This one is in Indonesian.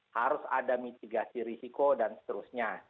harus ada mitigasi risiko dan seterusnya